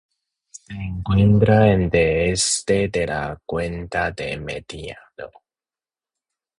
Se encuentra en el oeste de la Cuenca del Mediterráneo.